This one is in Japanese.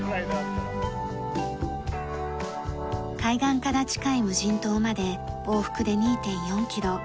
海岸から近い無人島まで往復で２．４キロ。